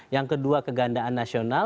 yang kedua kegandaan nasional